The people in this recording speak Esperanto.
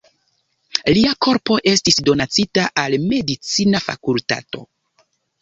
Lia korpo estis donacita al medicina fakultato.